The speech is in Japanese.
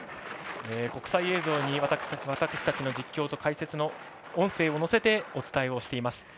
国際映像に、私たちの実況と解説の音声を乗せてお伝えしています。